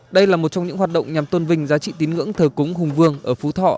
đây là một trong những hoạt động nhằm tôn vinh giá trị tín ngưỡng thờ cúng hùng vương ở phú thọ